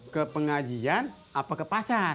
ke pengajian apa ke pasar